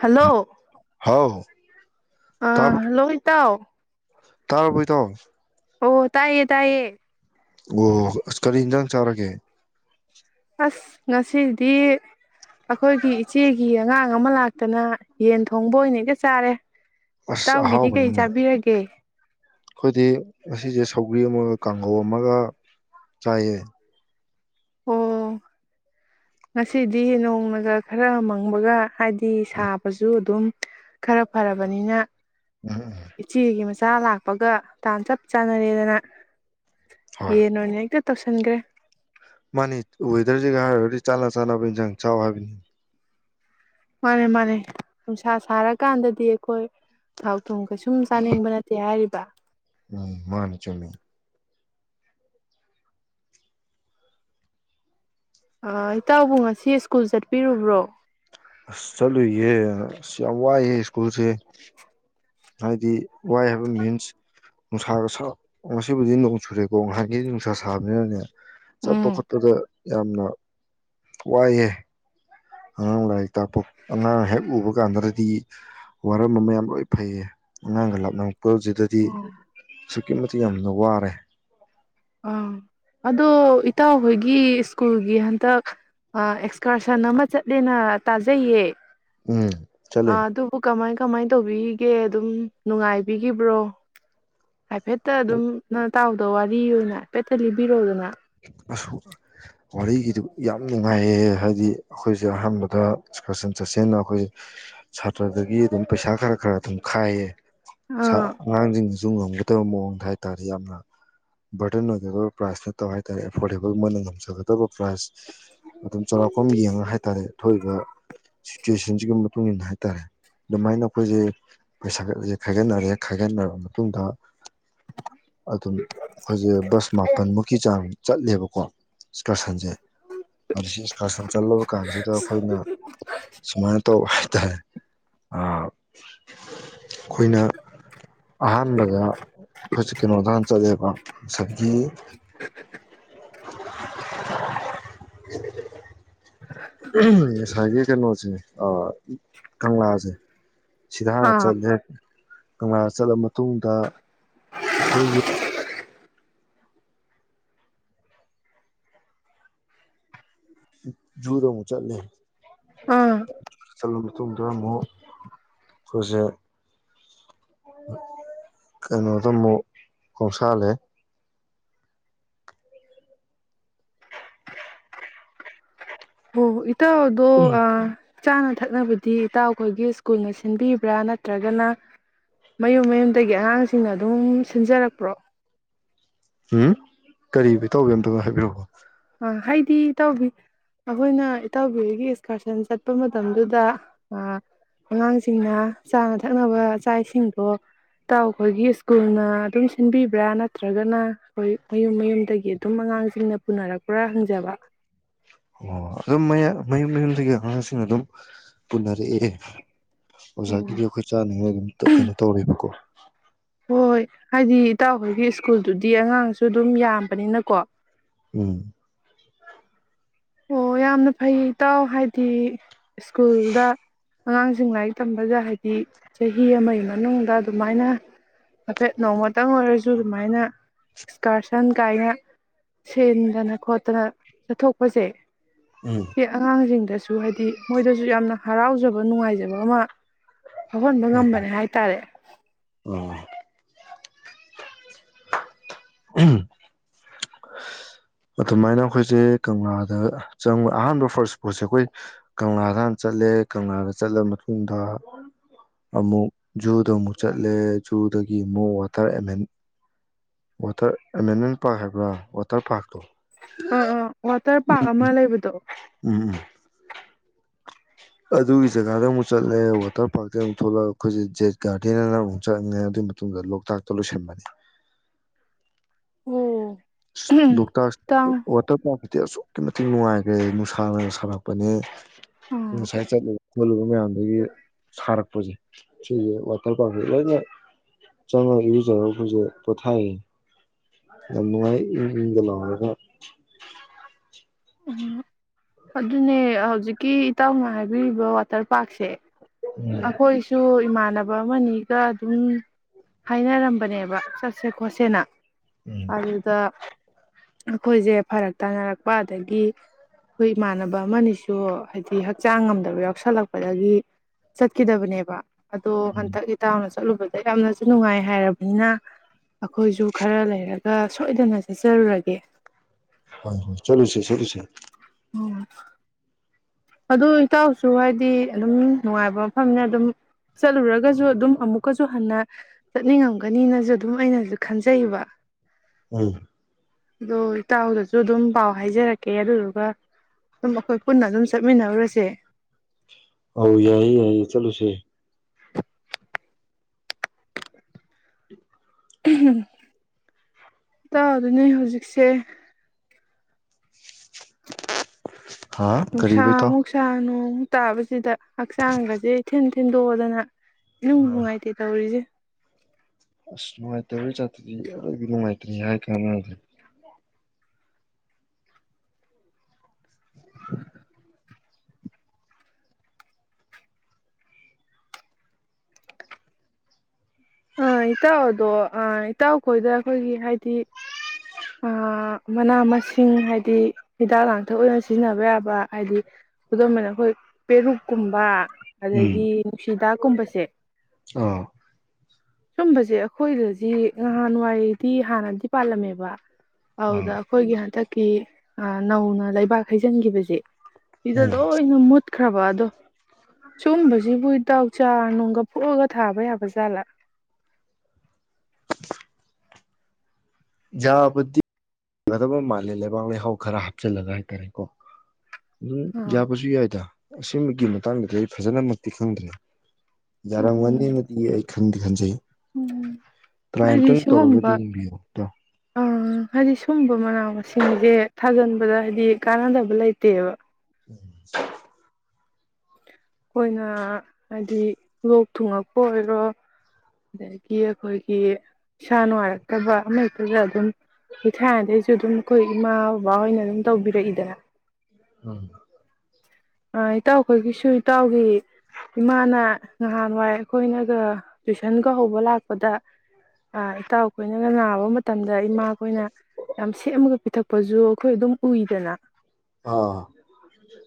hello ꯍꯥꯎ ꯑꯥ hello ꯏꯇꯥꯎ ꯇꯥꯕꯣꯏꯗꯣ ꯑꯣ ꯇꯥꯏꯌꯦ ꯇꯥꯏꯌꯦ ꯑꯣ ꯑ ꯀꯔꯤ ꯌꯦꯟꯖꯥꯡ ꯆꯥꯔꯒꯦ ꯑꯁ ꯉꯁꯤꯗꯤ ꯑꯩꯈꯣꯏꯒꯤ ꯏꯆꯦꯒꯤ ꯑꯉꯥꯡ ꯑꯃ ꯂꯥꯛꯇꯅ ꯌꯦꯟ ꯊꯣꯡꯕ ꯑꯣꯏꯅ ꯏꯦ ꯆꯥꯔꯦ ꯑꯁ ꯇꯥꯎꯒꯤꯗꯤ ꯀꯩ ꯑꯍꯥꯎꯕꯅꯤꯅꯦ ꯆꯥꯕꯤꯔꯒꯦ ꯑꯩꯈꯣꯏꯗꯤ ꯉꯁꯦ ꯁꯧꯒ꯭ꯔꯤ ꯑꯃꯒ ꯀꯥꯡꯒꯧ ꯑꯃꯒ ꯆꯥꯏꯌꯦ ꯑꯣ ꯉꯁꯤꯗꯤ ꯅꯣꯡꯃꯒ ꯈꯔ ꯃꯪꯕꯒ ꯍꯥꯏꯗꯤ ꯎꯝ ꯁꯥꯕꯁꯨ ꯑꯗꯨꯝ ꯈꯔ ꯐꯔꯕꯅꯤꯅ ꯎꯝ ꯎꯝ ꯏꯆꯤꯒꯤ ꯃꯁꯦ ꯆꯆꯥ ꯂꯥꯛꯄꯒ ꯇꯥꯟ ꯆꯞ ꯆꯥꯟꯅꯔꯦꯗꯅ ꯍꯣꯏ ꯌꯦ ꯅꯅꯦ ꯇꯧꯁꯤꯟꯈ꯭ꯔꯦ [inaudible] ꯃꯥꯅꯤ ꯋꯦꯗꯔꯁꯤꯒ ꯍꯥꯏꯔꯔꯗꯤ ꯆꯥꯟꯅ ꯆꯥꯅꯕ ꯏꯟꯁꯥꯡ ꯆꯥꯎ ꯍꯥꯏꯕꯅꯤ ꯃꯥꯅꯦ ꯃꯥꯅꯦ ꯅꯨꯡꯁꯥ ꯁꯥꯔꯀꯥꯟꯗꯗꯤ ꯑꯩꯈꯣꯏ ꯊꯥꯎ ꯊꯣꯡ ꯀꯩꯁꯨꯝ ꯆꯥꯅꯤꯡꯕ ꯅꯠꯇꯦ ꯍꯥꯏꯔꯤꯕ [unintelligible] ꯎꯝ ꯃꯥꯅꯦ ꯆꯨꯝꯝꯦ ꯏꯇꯥꯎꯕꯨ ꯉꯁꯤ ꯁ꯭ꯀꯨꯜ ꯆꯠꯄꯤꯔꯨꯕ꯭ꯔꯣ ꯑꯁ ꯆꯠꯂꯨꯏꯒꯦ ꯑꯁ ꯌꯥꯝ ꯋꯥꯏꯑꯦ ꯁ꯭ꯀꯨꯜꯁꯦ ꯍꯥꯏꯗꯤ ꯋꯥꯏ ꯍꯥꯏꯕ ꯃꯤꯟꯁ ꯅꯨꯡꯁꯥꯒ ꯉꯁꯤꯕꯨꯗꯤ ꯅꯣꯡ ꯆꯨꯔꯦꯀꯣ ꯉꯥꯏꯍꯥꯏꯒꯤ ꯅꯨꯡꯁꯥ ꯁꯥꯕꯅꯤꯅꯅꯦ ꯆꯠꯄ ꯎꯝ ꯈꯣꯠꯄꯗ ꯌꯥꯝꯅ ꯋꯥꯏꯑꯦ ꯑꯉꯥꯡ ꯂꯥꯏꯔꯤꯛ ꯇꯥꯛꯄ ꯑꯉꯥꯡ ꯍꯦꯛ ꯎꯕ ꯀꯥꯟꯗꯗꯗꯤ ꯋꯥꯔꯝꯕ ꯃꯌꯥꯝ ꯂꯣꯏ ꯐꯩꯌꯦ ꯑꯉꯥꯡꯒ ꯂꯥꯞꯅ ꯄꯨꯖꯤꯗꯗꯤ ꯑꯁꯨꯛꯀꯤ ꯃꯇꯤꯛ ꯌꯥꯝꯅ ꯋꯥꯔꯦ ꯑꯥ ꯑꯗ ꯏꯇꯍꯣꯏꯒꯤ ꯁ꯭ꯀꯨꯜꯒꯤ ꯍꯟꯇꯛ ꯑꯦꯛꯁꯀꯔꯁꯟ ꯑꯃ ꯆꯠꯂꯦꯅ ꯇꯥꯖꯩꯌꯦ ꯎꯝ ꯑ ꯆꯠꯂꯦ ꯑꯗꯨꯕꯨ ꯀꯃꯥꯏ ꯀꯃꯥꯏꯅ ꯇꯧꯕꯤꯒꯦ ꯑꯗꯨꯝ ꯅꯨꯡꯉꯥꯏꯕꯤꯈꯤꯕ꯭ꯔꯣ ꯍꯥꯏꯐꯦꯠꯇ ꯑꯗꯨꯝ ꯏꯇꯥꯎꯗ ꯋꯥꯔꯤ ꯑꯣꯏꯅ ꯍꯥꯏꯄꯦꯊ ꯂꯤꯕꯤꯔꯣꯗꯅ ꯋꯥꯔꯤꯒꯤꯗꯨ ꯌꯥꯝ ꯅꯨꯡꯉꯥꯏꯌꯦ ꯍꯥꯏꯗꯤ ꯑꯩꯈꯣꯏꯁꯦ ꯑꯍꯥꯟꯕꯗ ꯆꯠꯁꯟ ꯆꯠꯁꯟꯅ ꯑꯩꯈꯣꯏ ꯁꯥꯇ꯭ꯔꯗꯒꯤ ꯑꯗꯨꯝ ꯄꯩꯁꯥ ꯈꯔ ꯈꯔ ꯑꯗꯨꯝ ꯈꯥꯏꯌꯦ ꯑꯥ ꯑꯉꯥꯡꯁꯤꯡ ꯑꯗꯨꯨ ꯉꯝꯒꯗꯕ ꯃꯑꯣꯡꯗ ꯍꯥꯏ ꯇꯥꯔꯦ ꯌꯥꯝꯅ ꯕꯔꯗꯟ ꯑꯣꯏꯒꯗꯕ ꯄ꯭ꯔꯥꯏꯖ ꯅ ꯇꯧ ꯍꯥꯏꯇꯥꯔꯦ ꯑꯦꯐꯣꯔꯗꯦꯕꯜ ꯃꯣꯏꯅ ꯉꯝꯖꯒꯗꯕ ꯄ꯭ꯔꯥꯏꯖ ꯑꯗꯨꯝ ꯆꯥꯎꯔꯥꯛꯄ ꯌꯦꯡꯉ ꯍꯥꯏꯇꯥꯔꯦ ꯑꯊꯣꯏꯕ ꯁꯤꯆꯨꯁꯟꯁꯤ ꯃꯇꯨꯡ ꯏꯟꯅ ꯍꯥꯏꯇꯥꯔꯦ ꯑꯗꯨꯃꯥꯏꯅ ꯑꯩꯈꯣꯏꯁꯦ ꯄꯩꯁꯥ ꯈꯁꯦ ꯈꯥꯏꯒꯠꯅꯔꯦ ꯈꯥꯏꯒꯠꯅꯔꯕ ꯃꯇꯨꯡꯗ ꯑꯗꯨꯝ ꯑꯩꯈꯣꯏꯁꯦ ꯕꯁ ꯃꯥꯄꯜꯃꯨꯛ ꯆꯠꯂꯦꯕꯀꯣ ꯑꯦꯛꯁꯀꯔꯁꯟꯁꯦ ꯏꯟꯁꯀ꯭ꯔꯁꯟ ꯆꯠꯂꯕ ꯀꯥꯟꯁꯤꯗ ꯑꯩꯈꯣꯏꯅ ꯁꯨꯃꯥꯏꯅ ꯇꯧ ꯑ ꯑꯩꯈꯣꯏꯅ ꯑꯍꯥꯟꯕꯗ ꯍꯧꯖꯤꯛ ꯀꯩꯅꯣꯗ ꯍꯥꯟ ꯆꯠꯂꯦꯕ ꯉꯁꯥꯏꯒꯤ [unintelligible] ꯎ ꯉꯁꯥꯏꯒꯤ ꯀꯩꯅꯣꯁꯦ ꯀꯪꯂꯥꯁꯦ ꯁꯤꯥꯔ ꯑꯥ ꯆꯗ ꯀꯪꯂꯥꯅ ꯆꯠꯂ ꯃꯇꯨꯡꯗ ꯑꯩꯈꯣꯏꯒꯤ ꯨꯗꯣꯨ ꯆꯜꯂꯦ ꯑꯥ ꯑꯂꯝ ꯃꯇꯨꯡꯗ ꯑꯃꯨꯛ ꯑꯩꯈꯣꯏꯁꯦ ꯀꯩꯅꯣꯗ ꯑꯃꯨꯛ ꯈꯣꯡꯁꯥꯜꯂꯦ ꯍꯣ ꯍ ꯏ ꯠꯇ ꯑꯗꯨꯣ ꯑ ꯆꯥꯅ ꯊꯛꯅꯕꯗꯤ ꯏꯇꯥꯎ ꯑꯩꯈꯣꯏꯒꯤ ꯁ꯭ꯀꯨꯜꯅ ꯁꯤꯟꯕꯤꯕ꯭ꯔꯥ ꯅꯠꯇ꯭ꯔꯒꯅ ꯃꯌꯨꯝ ꯃꯌꯨꯝꯗꯒꯤ ꯑꯉꯥꯡꯁꯤꯡꯅ ꯑꯗꯨꯝ ꯁꯤꯟꯖꯔꯛꯄ꯭ꯔꯣ ꯎꯝ ꯀꯔꯤ ꯇꯧꯒꯦ ꯑꯝꯇꯅꯣ ꯍꯥꯏꯕꯤꯔꯛꯕꯣ ꯑ ꯍꯥꯏꯗꯤ ꯏꯇꯥꯎꯕꯤ ꯑꯩꯈꯣꯏꯅ ꯏꯇꯥꯎꯕꯤꯒꯤ ꯑꯦꯛꯁꯀꯔꯁꯟ ꯆꯠꯄ ꯃꯇꯝꯗꯨꯗ ꯑꯉꯥꯡꯁꯤꯡꯅ ꯆꯥꯅ ꯊꯛꯅꯕ ꯆꯥꯛ ꯏꯁꯤꯡꯗꯣ ꯇ ꯑꯩꯈꯣꯏꯒꯤ ꯁ꯭ꯀꯨꯜꯅ ꯑꯗꯨꯝ ꯁꯤꯟꯕꯤꯕ꯭ꯔꯥ ꯅꯠꯇ꯭ꯔꯒꯅ ꯑꯩꯈꯣꯏ ꯃꯌꯨꯝ ꯃꯌꯨꯝꯗꯒꯤ ꯑꯗꯨꯝ ꯑꯉꯥꯡꯁꯤꯡꯅ ꯄꯨꯅꯔꯛꯄ ꯄꯨꯔꯥ ꯍꯪꯖꯕ ꯑꯣ ꯑꯗꯨꯝ ꯃ ꯃꯌꯨꯝ ꯃꯌꯨꯝꯗꯒꯤ ꯑꯉꯥꯡꯁꯤꯡ ꯑꯗꯨꯝ ꯄꯨꯟꯅ ꯍꯧꯛ ꯑꯦ ꯑꯣꯖꯥꯒꯤꯗꯤ ꯑꯩꯈꯣꯏ ꯆꯥꯅꯤꯡꯉꯥꯏ ꯑꯗꯨꯝ ꯀꯩꯅꯣ ꯇꯧꯦꯕꯀꯣ [unintelligible] ꯍꯣꯏ ꯍꯣꯏ ꯍꯥꯏꯗꯤ ꯏꯇꯥꯎꯍꯣꯏꯒꯤ ꯁ꯭ꯀꯨꯜꯗꯨꯗꯤ ꯑꯉꯥꯡꯁꯨ ꯑꯗꯨꯝ ꯌꯥꯝꯕꯅꯤꯅꯀꯣ ꯎꯝ ꯑꯣ ꯌꯥꯝꯅ ꯐꯩ ꯏꯇꯥꯎ ꯍꯥꯏꯗꯤ ꯁ꯭ꯀꯨꯜꯗ ꯑꯉꯥꯡꯁꯤꯡ ꯂꯥꯏꯔꯤꯛ ꯇꯝꯕꯗ ꯍꯥꯏꯗꯤ ꯆꯍꯤ ꯑꯃꯒꯤ ꯃꯅꯨꯡꯗ ꯑꯗꯨꯃꯥꯏꯅ ꯍꯥꯏꯐꯦꯠ ꯅꯣꯡꯃꯇꯪ ꯑꯣꯏꯔꯁꯨ ꯑꯗꯨꯃꯥꯏꯅ ꯑꯦꯛꯁꯀꯔꯁꯟ ꯀꯥꯏꯅ ꯁꯤꯟꯗꯅ ꯈꯣꯠꯇꯅ ꯆꯠꯊꯣꯛ ꯍꯣꯏꯁꯦ ꯎꯝ ꯁꯤ ꯑꯉꯥꯡꯁꯤꯡꯗꯁꯨ ꯍꯥꯏꯗꯤ ꯃꯣꯏꯗꯁꯨ ꯌꯥꯝꯅ ꯍꯔꯥꯎꯖꯕ ꯅꯨꯡꯉꯥꯏꯖꯕ ꯑꯃ ꯐꯥꯎꯍꯟꯕ ꯍꯣꯏ ꯉꯝꯕꯅꯦ ꯍꯥꯏ ꯇꯔꯦ ꯍꯣꯏ ꯑꯍꯝ ꯑꯗꯨꯃꯥꯏꯅ ꯑꯩꯈꯣꯏꯁꯦ ꯀꯪꯂꯥꯗ ꯆꯪꯕ ꯑꯍꯥꯟꯕ ꯐꯥꯔꯁ ꯏꯁꯄꯣꯠꯁꯦ ꯑꯩꯈꯣꯏ ꯀꯪꯂꯥꯗ ꯍꯥꯟ ꯆꯠꯂꯦ ꯀꯪꯂꯥꯗ ꯆꯠꯂ ꯃꯇꯨꯡꯗ ꯑꯃꯨꯛ ꯖꯨꯗ ꯑꯃꯨꯛ ꯆꯠꯂꯦ ꯖꯨꯗꯒꯤ ꯑꯃꯨꯛ ꯋꯥꯇꯔ ꯑꯦꯃꯦꯟ ꯋꯥꯇꯔ ꯑꯦꯃꯦꯟꯃꯦꯟ ꯄꯥꯔꯛ ꯍꯥꯏꯕ꯭ꯔꯥ ꯋꯥꯇꯔ ꯄꯥꯔꯛꯇꯣ ꯑꯥ ꯑꯥ ꯋꯥꯇꯔ ꯎ ꯄꯥꯔꯛ ꯑꯃ ꯂꯩꯕꯗꯣ ꯎꯝ ꯎꯝ ꯑꯗꯨꯒꯤ ꯖꯒꯥꯗ ꯑꯃꯨꯛ ꯆꯠꯂꯦ ꯋꯥꯇꯔ ꯄꯥꯔꯛꯇ ꯑꯃꯨꯛ ꯊꯣꯛꯂꯛꯑꯒ ꯑꯩꯈꯣꯏꯁꯦ ꯖꯦꯠ ꯒꯥꯔꯗꯦꯟ ꯑꯅ ꯑꯃꯨꯛ ꯆꯠꯉꯦ ꯑꯗꯨꯒꯤ ꯃꯇꯨꯡꯗ ꯂꯣꯛꯇꯥꯛꯇ ꯂꯣꯏꯁꯟꯕꯅꯤ ꯎꯝ ꯁꯤꯠ ꯂꯣꯛꯇꯥꯛ ꯋꯥꯇꯔ ꯄꯥꯔꯛ ꯇꯤ ꯑꯁꯨꯛꯀꯤ ꯃꯇꯤꯛ ꯅꯨꯡꯉꯥꯏꯈꯒ꯭ꯔꯦ ꯅꯨꯡꯁꯥꯅ ꯁꯥꯔꯛꯄꯅꯦ ꯑꯥ ꯎꯁꯥꯏ ꯆꯠꯂꯨ ꯈꯣꯂꯨꯕ ꯃꯌꯥꯝꯗꯒꯤ ꯁꯥꯔꯛꯄꯁꯦ ꯁꯤꯁꯦ ꯋꯥꯇꯔ ꯄꯥꯔꯛꯁꯦ ꯂꯣꯏꯅ ꯆꯪꯉꯒ ꯏꯔꯨꯖꯔ ꯈꯣꯏꯁꯦ ꯄꯣꯊꯥꯏꯌꯦ ꯌꯥꯝ ꯅꯨꯡꯉꯥꯏ ꯏꯪ ꯏꯪ ꯒ ꯂꯥꯎꯔꯒ ꯎ ꯑꯗꯨꯅꯦ ꯍꯧꯖꯤꯛꯀꯤ ꯏꯇꯥꯎꯅ ꯍꯥꯏꯕꯤꯔꯤꯕ ꯋꯥꯇꯔ ꯄꯥꯔꯛꯁꯦ ꯎꯝ ꯑꯩꯈꯣꯏꯁꯨ ꯏꯃꯥꯟꯅꯕ ꯅꯕ ꯑꯃꯅꯤꯒ ꯑꯗꯨꯝ ꯍꯥꯏꯅꯔꯝ ꯕꯅꯦꯕ ꯆꯠꯁꯦ ꯈꯣꯠꯁꯦꯅ ꯎꯝ ꯑꯗꯨꯗ ꯑꯩꯈꯣꯏꯁꯦ ꯐꯥꯔꯛ ꯇꯥꯅꯔꯛꯄ ꯑꯗꯒꯤ ꯑꯩꯈꯣꯏ ꯏꯃꯥꯟꯅꯕ ꯑꯃꯅꯤꯁꯨ ꯍꯥꯏꯗꯤ ꯍꯛꯆꯥꯡ ꯉꯝꯗꯕ ꯌꯥꯎꯁꯜꯂꯛꯄꯗꯒꯤ ꯆꯠꯈꯤꯗꯕꯅꯦꯕ ꯑꯗꯣ ꯍꯟꯇꯛ ꯏꯇꯥꯎꯅ ꯆꯠꯂꯨꯕꯒꯤ ꯌꯥꯝꯅꯁꯨ ꯅꯨꯡꯉꯥꯏ ꯍꯥꯏꯔꯕꯅꯤꯅ ꯑꯩꯈꯣꯏꯁꯨ ꯈꯔ ꯂꯩꯔꯒ ꯁꯣꯏꯗꯅ ꯆꯠꯆꯔꯨꯔꯒꯦ ꯍꯣꯏ ꯍꯣꯏ ꯆꯂꯨꯁꯦ ꯆꯂꯨꯁꯦ ꯎꯝ ꯑꯗꯨ ꯏꯇꯥꯎꯁꯨ ꯍꯥꯏꯗꯤ ꯑꯗꯨꯝ ꯅꯨꯡꯉꯥꯏꯕ ꯃꯐꯝꯅꯦ ꯑꯗꯨꯝ ꯆꯠꯂꯨꯔꯒꯁꯨ ꯑꯗꯨꯝ ꯑꯃꯨꯛꯀꯁꯨ ꯍꯟꯅ ꯆꯠꯅꯤꯡꯉꯝ ꯒꯅꯤꯅꯁꯨ ꯑꯗꯨꯝ ꯑꯩꯅꯁꯨ ꯈꯟꯖꯩ ꯇꯩꯕ ꯎꯝ ꯑꯗꯣ ꯏꯇꯥꯎꯗꯁꯨ ꯑꯗꯨꯝ ꯄꯥꯎ ꯍꯥꯏꯖꯔꯛꯀꯦ ꯑꯗꯨꯗꯨꯒ ꯑꯗꯨꯝ ꯑꯩꯈꯣꯏ ꯄꯨꯟꯅ ꯑꯗꯨꯝ ꯆꯠꯃꯤꯟꯅꯔꯨꯔꯁꯦ ꯑꯥꯎ ꯌꯥꯏ ꯌꯥꯏꯌꯦ ꯆꯠꯂꯨꯁꯦ ꯎꯍꯝ ꯏꯇꯥꯎ ꯑꯗꯨ ꯅꯣꯏ ꯍꯧꯖꯤꯛꯁꯦ ꯍꯥ ꯀꯔꯤꯕ ꯏꯇꯥꯎ ꯨꯅꯨꯛꯁꯥꯃꯨꯛꯁꯥ ꯅꯣꯡ ꯇꯥꯕꯁꯤꯗ ꯍꯛꯆꯥꯡ ꯒꯥꯖꯦ ꯏꯊꯤꯟ ꯁꯤꯟꯗꯣꯛꯑꯗꯅ ꯅꯨꯡ ꯅꯨꯡꯉꯥꯏꯇꯦ ꯇꯧꯔꯤꯁꯦ ꯑꯁ ꯅꯨꯡꯉꯥꯏꯇ ꯆꯥꯇꯅꯨꯡ ꯃꯥꯥꯏꯇꯔꯤ ꯍꯥꯏ ꯀꯅ ꯑꯥ ꯏꯇꯥꯎ ꯑꯗꯣ ꯑꯥ ꯏꯇꯥꯎꯈꯣꯏꯗ ꯑꯩꯈꯣꯏꯒꯤ ꯍꯥꯏꯗꯤ ꯃꯅꯥ ꯃꯁꯤꯡ ꯍꯥꯏꯗꯤ ꯍꯤꯗꯥꯛ ꯂꯥꯡꯊꯛ ꯑꯣꯏꯅꯔ ꯁꯤꯖꯤꯟꯅꯕ ꯌꯥꯕ ꯍꯥꯏꯗꯤ ꯈꯨꯗꯝ ꯑꯣꯏꯅ ꯑꯣꯏꯅ ꯑꯩꯈꯣꯏ ꯄꯦꯔꯨꯛꯀꯨꯝꯕ ꯎꯝ ꯑꯗꯒꯤ ꯅꯨꯡꯁꯤꯗꯥꯛꯀꯨꯝꯕꯁꯦ ꯑꯥ ꯁꯨꯝꯕꯁꯦ ꯑꯩꯈꯣꯏꯗꯗꯤ ꯅꯍꯥꯟꯋꯥꯏꯗꯤ ꯍꯥꯟꯅꯗꯤ ꯄꯥꯜꯂꯝꯃꯦꯕ ꯑꯥ [unintelligible] ꯀꯤ ꯅꯧꯅ ꯂꯩꯕꯥꯛ ꯍꯩꯖꯤꯟꯈꯤꯕꯁꯦ ꯎꯝ [unintelligible] [unintelligible] ꯁꯨꯝꯕꯁꯤꯕꯨ ꯏꯇꯥꯎ ꯆꯥꯔ ꯅꯨꯡꯒ ꯐꯣꯛꯑꯒ ꯊꯥꯕ ꯌꯥꯕ ꯖꯥꯠꯂꯥ ꯌꯥꯕꯨꯗꯤ ꯌꯥꯒꯗꯕ ꯃꯥꯜꯂꯦ ꯂꯩꯕꯥꯛ ꯂꯩꯍꯥꯎ ꯈꯔ ꯍꯥꯞꯆꯤꯜꯂꯒ ꯍꯥꯏꯇꯥꯔꯦꯀꯣ ꯎꯝ ꯑ ꯌꯥꯄꯁꯨ ꯌꯥꯏ ꯑꯁꯤꯃ ꯃꯇꯥꯡꯗꯗꯤ ꯑꯩ ꯐꯖꯅꯃꯛꯇꯤ ꯈꯪꯗ꯭ꯔꯦ ꯌꯥꯔꯝꯒꯅꯤ ꯎꯝ ꯑꯃꯗꯤꯗꯤ ꯑꯩ ꯈꯪꯗꯤꯦ ꯈꯟꯖꯩ ꯎꯝ ꯍꯥꯏꯗꯤ ꯇꯔꯥꯏꯝꯇꯪ ꯇꯧꯔꯒꯗꯤ ꯁꯤꯒꯨꯝꯕ ꯌꯦꯡꯕꯤꯌꯨ ꯏꯇꯥꯎ ꯑ ꯍꯥꯏꯗꯤ ꯁꯨꯝꯕ ꯃꯅꯥ ꯁꯤꯡꯁꯦ ꯊꯥꯖꯤꯟꯕꯗ ꯍꯥꯏꯗꯤ ꯀꯥꯟꯅꯗꯕ ꯂꯩꯇꯦꯕ ꯎꯝ ꯑꯩꯈꯣꯏꯅ ꯍꯥꯏꯗꯤ ꯂꯣꯛ ꯊꯨꯡꯉꯛꯄ ꯑꯣꯏꯔꯣ ꯑꯗꯒꯤ ꯑꯩꯈꯣꯏꯒꯤ ꯏꯁꯥ ꯅꯨꯡꯉꯥꯏꯔꯛꯇꯕ ꯑꯃ ꯍꯦꯛꯇꯗ ꯑꯗꯨꯝ ꯂꯩ ꯊꯥꯏꯅꯗꯩꯁꯨ ꯑꯗꯨꯝ ꯑꯩꯈꯣꯏ ꯏꯃꯥ ꯕꯕꯥꯣꯏꯅ ꯑꯗꯨꯝ ꯇꯧꯕꯤꯔꯛꯏꯗꯅ ꯎꯝ ꯏꯇꯥꯎ ꯑꯩꯈꯣꯏꯒꯤꯁꯨ ꯏꯇꯥꯎꯒꯤ ꯏꯃꯥꯅ ꯅꯍꯥꯟꯋꯥꯏ ꯑꯩꯈꯣꯏꯅꯒ ꯇꯨꯏꯁꯟꯒ ꯍꯧꯕ ꯂꯥꯛꯄꯗ ꯏꯇꯥꯎ ꯑꯩꯈꯣꯏꯅꯒ ꯅꯥꯕ ꯃꯇꯝ ꯃꯇꯝꯗ ꯏꯃꯥꯈꯣꯏꯅ ꯌꯥꯝ ꯁꯦꯝꯃꯒ ꯄꯤꯊꯛ ꯄꯁꯨ ꯑꯩꯈꯣꯏ ꯑꯗꯨꯝ ꯎꯏꯗꯅ ꯑꯥ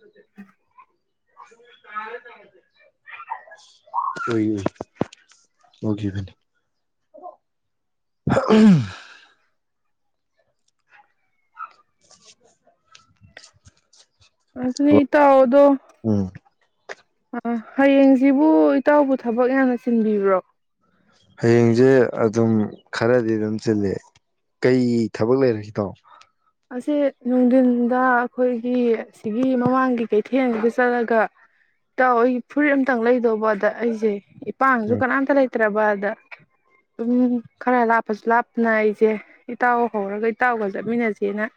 [unintelligible] [unintelligible] [unintelligible] [unintelligible] ꯎꯝ ꯍꯌꯦꯡꯁꯤꯕꯨ ꯏꯇꯥꯎꯕꯨ ꯊꯕꯛ ꯌꯥꯝꯅ ꯆꯤꯟꯕꯤꯕ꯭ꯔꯣ ꯍꯌꯦꯡꯁꯦ ꯑꯗꯨꯝ ꯈꯔꯗꯤ ꯑꯗꯨꯝ ꯆꯤꯂꯦ ꯀꯩ ꯊꯕꯛ ꯂꯩꯔꯦ ꯏꯇꯥꯎ ꯑꯁꯦ ꯅꯨꯡꯊꯤꯟꯗ ꯑꯩꯈꯣꯏꯒꯤ ꯁꯤꯒꯤ ꯃꯃꯥꯡꯒꯤ ꯀꯩꯊꯦꯜꯒ ꯆꯠꯂꯒ ꯏꯇꯥꯎꯣꯏ ꯐꯨꯔꯤꯠ ꯑꯇꯪ ꯂꯩꯗꯧꯕ ꯑꯗ ꯑꯩꯁꯦ ꯄꯥꯡꯁꯨ ꯎꯝ ꯀꯅꯥꯝꯇ ꯂꯩꯇꯦ ꯂꯩꯇ꯭ꯔꯕꯗ ꯑꯗꯨꯝ ꯈꯔ ꯂꯥꯞꯄꯁꯨ ꯂꯥꯞꯄꯅ ꯑꯩꯁꯦ ꯏꯇꯥꯎ ꯍꯧꯔꯒ ꯏꯇꯥꯎꯒ ꯆꯠꯃꯤꯟꯅꯁꯦ ꯅꯦꯅ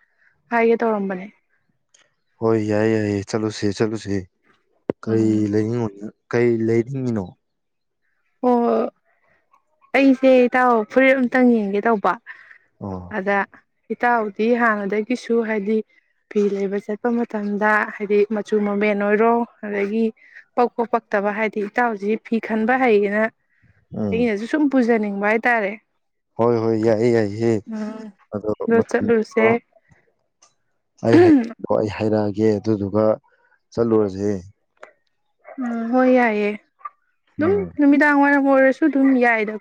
ꯍꯥꯏꯒꯦ ꯇꯧꯔꯝꯕꯅꯦ ꯍꯣꯏ ꯌꯥꯏꯌꯦ ꯌꯥꯏꯌꯦ ꯆꯠꯂꯨꯁꯦ ꯆꯠꯂꯨꯁꯤ ꯀꯩ ꯎꯝ ꯂꯩꯉꯣ ꯀꯩ ꯂꯩꯅꯤꯡꯉꯤꯅꯣ ꯑꯣ ꯑꯩꯁꯦ ꯏꯇꯥꯎꯣ ꯐꯨꯔꯤꯠ ꯑꯝꯇꯪ ꯌꯦꯡꯒꯦ ꯇꯧꯕ ꯑꯣ ꯑꯗ ꯏꯇꯥꯎꯗꯤ ꯍꯥꯟꯅꯗꯒꯤꯁꯨ ꯍꯥꯏꯗꯤ ꯐꯤ ꯂꯩꯕ ꯆꯠꯄ ꯃꯇꯝꯗ ꯍꯥꯏꯗꯤ ꯃꯆꯨ ꯃꯃꯦꯟ ꯑꯣꯏꯔꯣ ꯑꯗꯒꯤ ꯄꯛꯄ ꯄꯛꯇꯕ ꯍꯥꯏꯗꯤ ꯏꯇꯥꯎꯁꯤ ꯐꯤ ꯈꯟꯕ ꯍꯩꯌꯦ ꯇ ꯎꯝ ꯑꯩꯅꯁꯨ ꯁꯨꯝ ꯄꯨꯖꯅꯤꯡꯉ ꯁꯪ ꯍꯥꯏꯇꯥꯔꯦ ꯍꯣꯏ ꯍꯣꯏ ꯌꯥꯏꯌꯦ ꯌꯥꯏꯌꯦ ꯎꯝ ꯑꯗꯣ ꯃꯇꯝ ꯑꯩ ꯍꯥꯏ ꯑꯩ ꯍꯥꯏꯔꯛꯑꯒꯦ ꯦ ꯑꯗꯨꯗꯨꯒ ꯆꯠꯂꯨꯔꯁꯦ ꯎꯝ ꯍ ꯌꯥꯏꯌꯦ ꯑꯗꯨꯝ ꯎꯝ ꯅꯨꯃꯤꯗ ꯑꯔ ꯑꯣꯏꯔꯁꯨ ꯑꯗꯨꯝ ꯌꯥꯏꯗ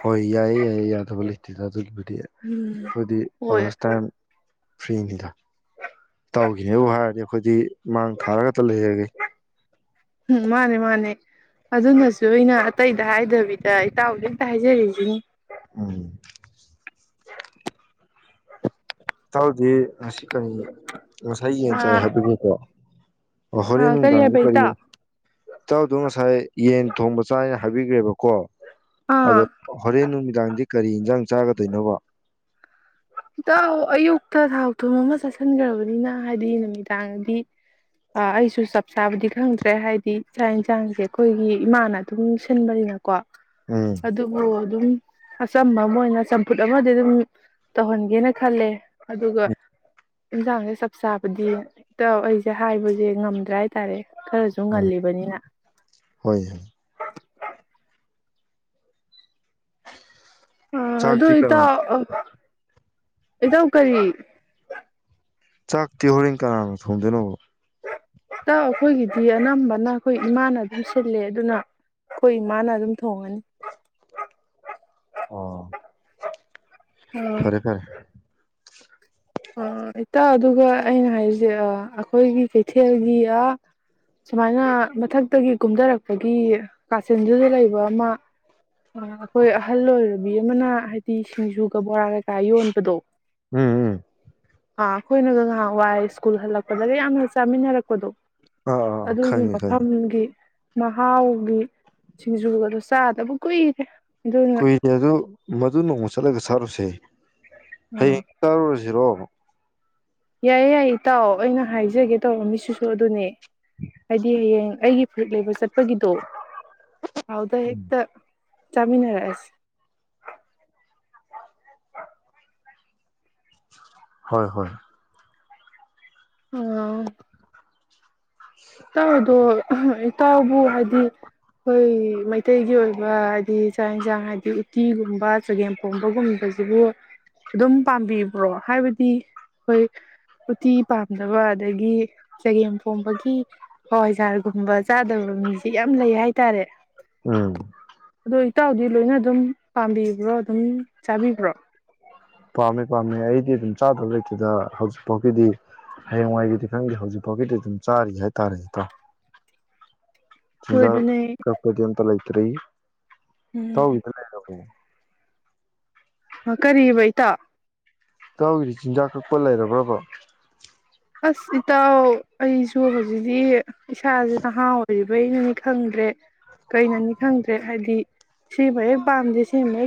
ꯍꯣꯏ ꯌꯥꯏꯌꯦ ꯌꯥꯏꯌꯦ ꯌꯥꯗꯕ [unintelligible] ꯎꯝ ꯈꯨꯗꯤ ꯍꯣꯏ ꯑꯣꯁꯇꯥꯏꯝ ꯐ꯭ꯔꯤꯅꯤꯗ ꯇꯧꯈꯤꯅꯦꯕꯨ ꯍꯥꯏꯔꯗꯤ ꯑꯩꯈꯣꯏꯗꯤ ꯃꯥꯡ ꯊꯥꯔꯒꯇ ꯂꯩꯔꯒꯦ ꯎꯝ ꯃꯥꯅꯦ ꯃꯥꯅꯦ ꯑꯗꯨꯅꯁꯨ ꯑꯩꯅ ꯑꯇꯩꯗ ꯍꯥꯏꯗꯕꯤꯗ ꯏꯇꯥꯎ ꯍꯦꯛꯇ ꯍꯥꯏꯖꯔꯤꯁꯤꯅꯤ ꯎꯝ ꯇꯥꯎꯗꯤꯁꯤ ꯀ ꯉꯁꯥꯏ ꯌꯦꯟ ꯆꯥꯏ ꯑꯥ ꯍꯥꯏꯕꯒꯤꯀꯣ ꯑꯣ ꯍꯣꯔꯦꯟ ꯑꯥ ꯅꯨꯡꯗꯥꯡꯗꯤ ꯍꯥꯏꯕ ꯀꯔꯤ ꯏꯇꯥꯎ ꯏꯇꯥꯎꯗꯣ ꯉꯁꯥꯏ ꯌꯦꯟ ꯊꯣꯡꯕ ꯆꯥꯏꯅ ꯍꯥꯏꯕꯤꯈ꯭ꯔꯦꯕꯀꯣ ꯑꯗꯣ ꯑꯥ ꯍꯔꯦꯟ ꯅꯨ ꯍꯗꯥꯥꯡꯗꯤ ꯀꯔꯤ ꯌꯦꯟꯁꯥꯡ ꯆꯥꯒꯗꯣꯏꯅꯣꯕ ꯗ ꯑꯌꯨ ꯛꯇ ꯊꯥꯎ ꯊꯨꯝ ꯑꯃ ꯆꯥꯁꯤꯟꯈ꯭ꯔꯕꯅꯤꯅ ꯍꯥꯏꯗꯤ ꯅꯨꯃꯤꯗꯥꯡꯗꯤ ꯑꯩꯁꯨ ꯆꯞ ꯆꯥꯕꯗꯤ ꯈꯪꯗ꯭ꯔꯦ ꯍꯥꯏꯗꯤ ꯆꯥꯛ ꯌꯦꯟꯁꯥꯡꯁꯦ ꯑꯩꯈꯣꯏꯒꯤ ꯏꯃꯥꯅ ꯑꯗꯨꯝ ꯁꯤꯟꯕꯅꯤꯅꯀꯣ ꯎꯝ ꯑꯗꯨꯕꯨ ꯑꯗꯨꯝ ꯑꯆꯝꯕ ꯑꯃ ꯑꯣꯏꯅ ꯆꯝꯐꯨꯠ ꯑꯃꯗꯤ ꯑꯗꯨꯝ ꯇꯧꯍꯟꯒꯦꯅ ꯈꯜꯂꯦ ꯑꯗꯨꯒ ꯎꯝ ꯏꯟꯁꯥꯡꯁꯦ ꯆꯞ ꯆꯥꯕꯗꯤ ꯍꯦꯛꯇ ꯑꯩꯁꯦ ꯍꯥꯏꯕꯁꯦ ꯉꯝꯗ꯭ꯔꯦ ꯍꯥꯏꯇꯥꯔꯦ ꯈꯔꯁꯨ ꯎꯝ ꯉꯜꯂꯤꯕꯅꯤꯅ ꯍꯣꯏ ꯑ ꯑꯗꯨ ꯆꯥꯛꯇꯤ ꯀꯅꯥ ꯏꯇ ꯏꯗ ꯀꯔꯤ ꯆꯥꯛꯇꯤ ꯍꯣꯔꯦꯟ ꯀꯅꯥꯅꯣ ꯊꯣꯡꯗꯣꯏꯅꯣꯕ ꯇ ꯑꯩꯈꯣꯏꯒꯤꯗꯤ ꯑꯅꯝꯕꯅ ꯑꯩꯈꯣꯏ ꯏꯃꯥꯅ ꯑꯗꯨꯝ ꯁꯤꯜꯂꯦ ꯑꯗꯨꯅ ꯑꯩꯈꯣꯏ ꯏꯃꯥꯅ ꯑꯗꯨꯝ ꯊꯣꯡꯉꯅꯤ ꯑꯣ ꯐꯔꯦ ꯐꯔꯦ ꯑ ꯏꯇꯥ ꯑꯗꯨꯒ ꯑꯩꯅ ꯍꯥꯏꯔꯤꯁꯦ ꯑꯩꯈꯣꯏꯒꯤ ꯀꯩꯊꯦꯜꯒꯤ ꯑ ꯁꯨꯃꯥꯏꯅ ꯃꯊꯛꯇꯒꯤ ꯀꯨꯝꯊꯔꯛꯄꯒꯤ ꯀꯥꯆꯤꯟꯗꯨꯗ ꯂꯩꯕ ꯑꯃ ꯑꯩꯈꯣꯏ ꯑꯍꯜ ꯑꯣꯏꯔꯕꯤ ꯑꯃꯅ ꯍꯥꯏꯗꯤ ꯁꯤꯡꯖꯨꯒ ꯕꯣꯔꯥ ꯀꯩꯀꯥ ꯌꯣꯟꯕꯗꯣ ꯎꯝ ꯎꯝ ꯍꯥ ꯑꯩꯣꯏꯅ ꯀ ꯋꯥꯏ ꯁ꯭ꯀꯨꯜ ꯍꯜꯂꯛꯄꯗꯒ ꯌꯥꯝꯅ ꯆꯥꯃꯤꯟꯅꯔꯛꯄꯗꯣ ꯑꯥ ꯑꯥ ꯑꯥ ꯑꯗꯨꯒꯤ ꯈꯪꯉꯦ ꯈꯪꯉꯦ ꯃꯐꯝꯒꯤ ꯃꯍꯥꯎꯒꯤ ꯁꯤꯡꯖꯨꯒꯗ ꯆꯥꯗꯕ ꯀꯨꯏꯔꯦ ꯑꯗꯨꯅ ꯀꯨꯏꯅꯦ ꯑꯗꯨ ꯃꯗꯨ ꯅꯣꯡꯃ ꯆꯠꯂꯒ ꯁꯥꯔꯨꯁꯦ ꯑꯥ ꯍꯌꯦꯡ ꯆꯥꯔꯨꯔꯁꯤꯔꯣ ꯌꯥꯏꯌꯦ ꯌꯥꯏꯌꯦ ꯏꯇꯥꯎ ꯑꯩꯅ ꯍꯥꯏꯖꯒꯦ ꯇꯧꯔ ꯃꯤꯁꯤꯁꯨ ꯑꯗꯨꯅꯦ ꯑꯗꯤ ꯌꯦ ꯑꯩꯒꯤ ꯐ ꯂꯩꯕ ꯆꯠ ꯄꯒꯤꯗꯨꯣ ꯍꯥꯎꯗ ꯍꯛꯇ ꯆꯥꯃꯤꯟꯅꯁꯤ ꯍꯣꯏ ꯍꯣꯏ ꯑ ꯥꯎꯗ ꯎꯇꯥꯎꯕꯨ ꯍꯥꯏꯗꯤ ꯑꯩꯈꯣꯏ ꯃꯩꯇꯩꯒꯤ ꯑꯣꯏꯕ ꯍꯥꯏꯗꯤ ꯆꯥꯛ ꯌꯦꯟꯁꯥꯡ ꯍꯥꯏꯗꯤ ꯎꯇꯤꯒꯨꯝꯕ ꯆꯒꯦꯝ ꯄꯣꯝꯕꯒꯨꯝꯕꯁꯤꯕꯨ ꯑꯗꯨꯝ ꯄꯥꯝꯕꯤꯕ꯭ꯔꯣ ꯍꯥꯏꯕꯗꯤ ꯑꯩꯈꯣꯏ ꯎꯇꯤ ꯄꯥꯝꯗꯕ ꯑꯗꯒꯤ ꯆꯒꯦꯝꯄꯣꯝꯕꯒꯤ ꯍꯣꯏꯖꯥꯔꯒꯨꯝꯕ ꯆꯥꯗꯕ ꯃꯤꯁꯦ ꯌꯥꯝ ꯂꯩ ꯍꯥꯏꯇꯥꯔꯦ ꯎꯝ ꯍꯇꯥꯎꯗꯤ ꯂꯣꯏꯅ ꯑꯗꯨꯝ ꯄꯥꯝꯕꯤꯕ꯭ꯔꯣ ꯑꯗꯨꯝ ꯆꯥꯕꯤꯕ꯭ꯔꯣ ꯄꯥꯝꯃꯦ ꯄꯥꯝꯃꯦ ꯑꯩꯗꯤ ꯑꯗꯨꯝ ꯆꯥꯗꯕ ꯂꯩꯇꯦꯗ ꯍꯧꯖꯤꯛ ꯐꯥꯎꯒꯤꯗꯤ ꯍꯌꯦꯡꯋꯥꯏꯒꯤꯗꯤ ꯈꯪꯗꯦ ꯍꯧꯖꯤꯛ ꯐꯥꯎꯒꯤꯗꯤ ꯑꯗꯨꯝ ꯆꯥꯔꯤ ꯍꯥꯏꯇꯥꯔꯦ ꯅꯠꯇ꯭ꯔꯥ ꯍꯣꯏ ꯆꯨꯨꯝꯖꯥ ꯑꯗꯨꯅꯦ ꯀꯄꯗꯤ ꯑꯇ ꯂꯩ ꯇꯔꯤ ꯎꯝ ꯇꯧ ꯏꯂ ꯑ ꯀꯔꯤꯕꯩꯇ ꯇꯧꯗꯤ ꯆꯤꯟꯖꯥꯛ ꯀꯛꯄ ꯂꯩꯔꯕ꯭ꯔꯔꯕꯣ ꯑꯁ ꯏꯇꯥꯎ ꯑꯩꯁꯨ ꯍꯧꯖꯤꯛꯇꯤ ꯏꯁꯥꯁꯦ ꯅꯍꯥ ꯑꯣꯏꯔꯤꯕꯩꯅꯅꯤ ꯈꯪꯗ꯭ꯔꯦ ꯀꯩꯅꯅꯤ ꯈꯪꯗ꯭ꯔꯦ ꯍꯥꯏꯕꯗꯤ ꯁꯤꯃ ꯍꯦꯛ ꯄꯥꯝꯗꯦ ꯁꯤꯃ ꯍꯦꯛ